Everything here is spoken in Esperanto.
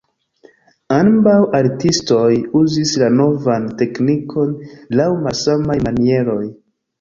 Ambaŭ artistoj uzis la novan teknikon laŭ malsamaj manieroj.